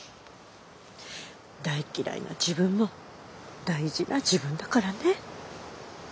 大嫌いな自分も大事な自分だからね。